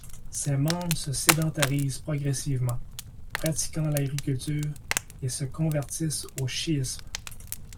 Ses membres se sédentarisent progressivement, pratiquant l'agriculture, et se convertissent au shiisme.